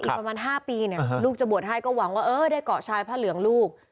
ประมาณ๕ปีเนี่ยลูกจะบวชให้ก็หวังว่าเออได้เกาะชายผ้าเหลืองลูก